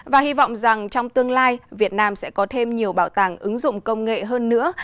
và hy vọng rằng trong tương lai việt nam sẽ có thêm nhiều bảo tàng ứng dụng công nghệ hơn nữa